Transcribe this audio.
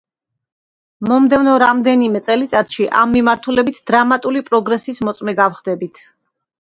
მომდევნო რამდენიმე წელიწადში ამ მიმართულებით „დრამატული პროგრესის მოწმე გავხდებით“.